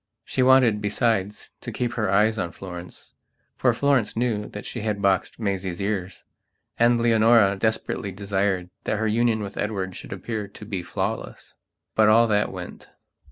She wanted, besides, to keep her eyes on Florencefor Florence knew that she had boxed Maisie's ears. And Leonora desperately desired that her union with Edward should appear to be flawless. But all that went....